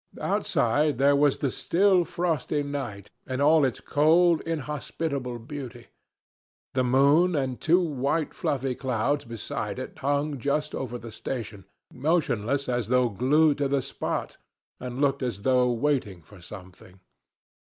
Outside there was the still frosty night in all its cold, inhospitable beauty. The moon and two white fluffy clouds beside it hung just over the station, motionless as though glued to the spot, and looked as though waiting for something.